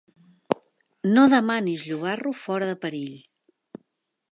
No demanis llobarro fora de perill.